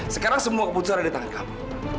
sekarang semua keputusan ada di tangan kamu